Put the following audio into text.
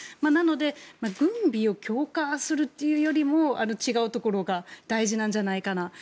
なので軍備を強化するというよりも違うところが大事なんじゃないかな。